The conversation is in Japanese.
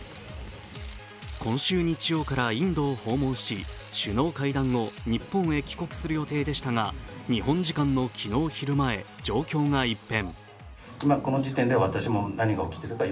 今週日曜からインドを訪問し、首脳会談後、日本に帰国する予定でしたが日本時間の昨日昼前、状況が一変。